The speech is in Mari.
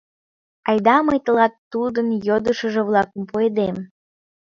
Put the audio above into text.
Айда мый тылат тудын йодышыжо-влакым пуэдем?